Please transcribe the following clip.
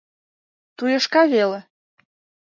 Туешка веле.